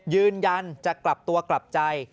ยืนยันจะกลับตัวกลับใจ